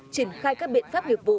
chỉnh khai các biện pháp nghiệp vụ